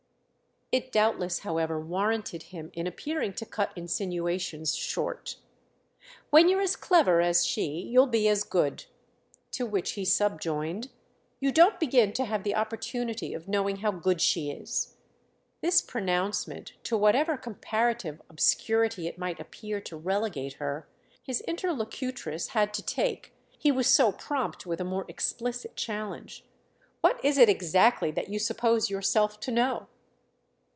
It doubtless, however, warranted him in appearing to cut insinuations short. "When you're as clever as she you'll be as good." To which he subjoined: "You don't begin to have the opportunity of knowing how good she is." This pronouncement, to whatever comparative obscurity it might appear to relegate her, his interlocutress had to take—he was so prompt with a more explicit challenge. "What is it exactly that you suppose yourself to know?"